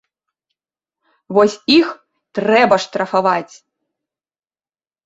Вось іх трэба штрафаваць!